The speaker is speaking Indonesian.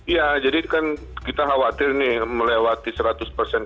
ya jadi kan kita khawatir nih melewati seratus persen